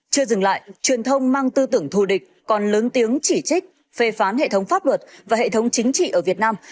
chưa dừng lại truyền thông mang tư tưởng thù địch còn lớn tiếng chỉ trích phê phán hệ thống pháp luật và hệ thống chính trị ở việt nam